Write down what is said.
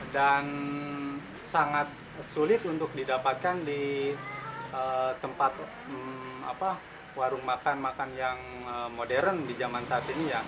dan sangat sulit untuk didapatkan di tempat warung makan makan yang modern di zaman saat ini